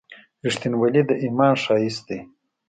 • رښتینولي د ایمان ښایست دی.